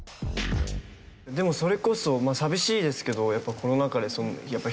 でもそれこそ寂しいですけど。